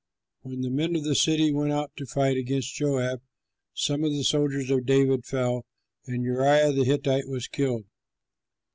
When the men of the city went out to fight against Joab, some of the soldiers of David fell, and Uriah the Hittite was killed.